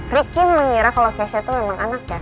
rikim mengira kalau keisha itu memang anaknya